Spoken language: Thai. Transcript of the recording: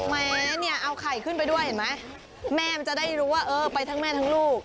แม้เนี่ยเอาไข่ขึ้นไปด้วยเห็นไหมแม่มันจะได้รู้ว่าเออไปทั้งแม่ทั้งลูก